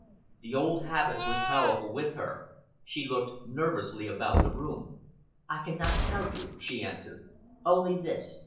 The old habit was powerful with her. She looked nervously about the room. "I cannot tell you," she answered, "only this!